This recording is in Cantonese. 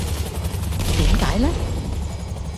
點解呢